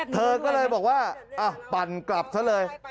เธอก็เลยบอกว่าปั่นกลับซะเลย